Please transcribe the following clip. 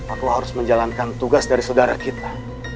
aku harus menjalankan tugas dari saudara kita